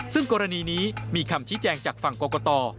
ซึ่งกรณีนี้มีคำชี้แจงจากฝั่งกรกต